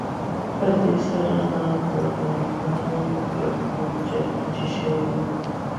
په دې سره ناببره لکه کوم جادو چې شوی وي